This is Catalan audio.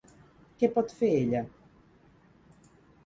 Què pot fer ella?